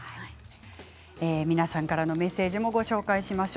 皆さんからのメッセージもご紹介します。